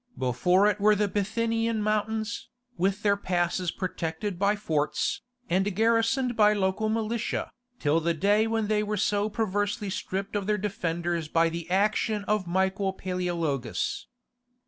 Before it were the Bithynian mountains, with their passes protected by forts, and garrisoned by local militia, till the day when they were so perversely stripped of their defenders by the action of Michael Paleologus.